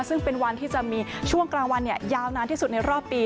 ซึ่งเป็นวันที่จะมีช่วงกลางวันยาวนานที่สุดในรอบปี